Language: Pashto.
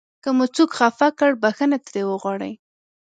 که مو څوک خفه کړ بښنه ترې وغواړئ.